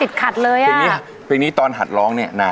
เกิดเสียแฟนไปช่วยไม่ได้นะ